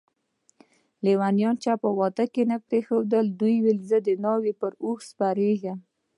لیونی چا واده کی نه پریښود ده ويل چي زه دناوی په اوښ سپریږم